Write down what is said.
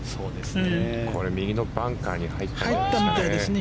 これ右のバンカーに入ったみたいですね。